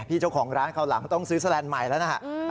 เจ้าของร้านคราวหลังต้องซื้อแลนด์ใหม่แล้วนะฮะ